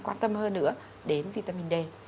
quan tâm hơn nữa đến vitamin d